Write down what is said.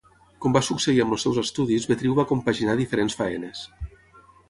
Com va succeir amb els seus estudis Betriu va compaginar diferents feines.